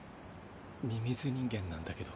「ミミズ人間」なんだけど。